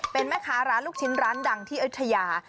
เป็นแม่ค้าร้านลูกชิ้นร้านดังที่อยุธยา